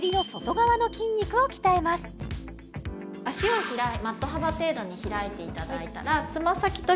最後は足をマット幅程度に開いていただいたらつま先と